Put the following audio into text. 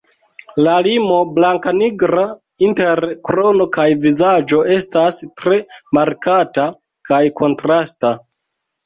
La limo blankanigra inter krono kaj vizaĝo estas tre markata kaj kontrasta.